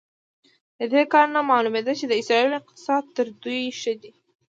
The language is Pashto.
له دې کار نه معلومېدل چې د اسرائیلو اقتصاد تر دوی ښه دی.